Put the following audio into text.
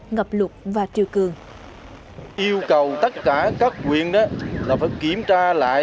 ngập lụt bão tình hình xảy ra